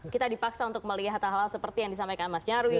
kita dipaksa untuk melihat hal hal seperti yang disampaikan mas nyarwi